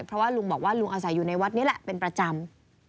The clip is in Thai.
เพราะว่าลุงบอกว่าลุงอาศัยอยู่ในวัดนี้แหละเป็นประจำ